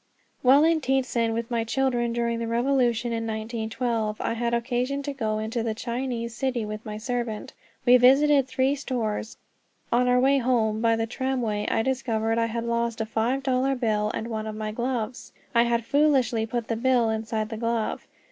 While in Tientsin with my children during the revolution in 1912, I had occasion to go into the Chinese city with my servant. We visited three stores. On our way home by the tramway I discovered I had lost a five dollar bill and one of my gloves. I had foolishly put the bill inside the glove.